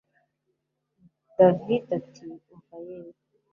david ati umva yewe